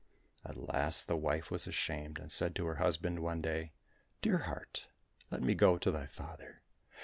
At last the wife was ashamed, and said to her husband one day, " Dear heart ! let me go to thy father